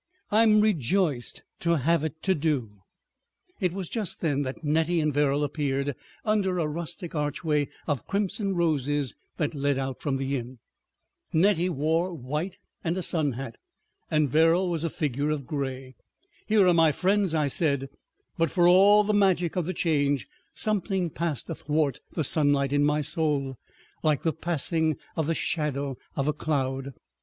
I'm rejoiced to have it to do. ..." It was just then that Nettie and Verrall appeared under a rustic archway of crimson roses that led out from the inn. Nettie wore white and a sun hat, and Verrall was a figure of gray. "Here are my friends," I said; but for all the magic of the Change, something passed athwart the sunlight in my soul like the passing of the shadow of a cloud.